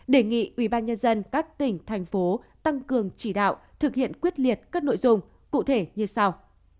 đề nghị ubnd các tỉnh thành phố tăng cường chỉ đạo thực hiện quyết liệt các nội dung cụ thể như sau